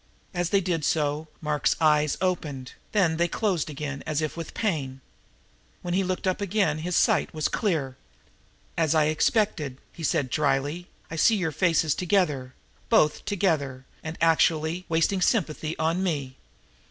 As they did so Mark's eyes opened, then they closed again, as if with pain. When he looked again his sight was clear. "As I expected," he said dryly, "I see your faces together both together, and actually wasting sympathy on me?